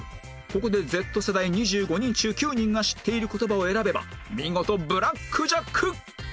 ここで Ｚ 世代２５人中９人が知っている言葉を選べば見事ブラックジャック！